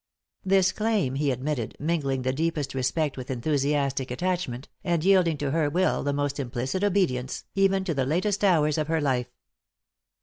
This claim he admitted, mingling the deepest respect with enthusiastic attachment, and yielding to her will the most implicit obedience, even to the latest hours of her life.